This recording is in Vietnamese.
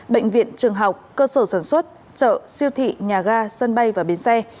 bệnh viện trường học cơ sở sản xuất chợ siêu thị nhà ga sân bay và bến xe